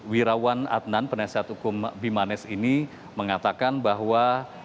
wirawan adnan penasihat hukum bimanes ini mengatakan bahwa